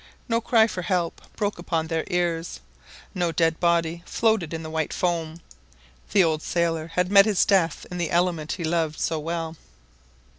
No cry for help broke upon their ears. No dead body floated in the white foam. The old sailor had met his death in the element he loved so well.